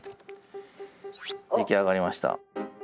出来上がりました。